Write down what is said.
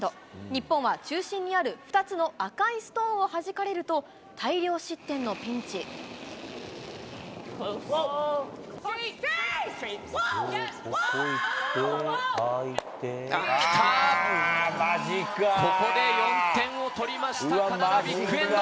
日本は中心にある２つの赤いストーンをはじかれると、大量失点のピンチ。きた、ここで４点を取りました、カナダ、ビッグエンド。